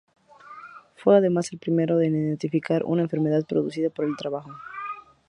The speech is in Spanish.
Fue además el primero en identificar una enfermedad producida por el trabajo.